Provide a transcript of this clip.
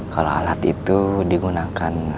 kalau alat itu digunakan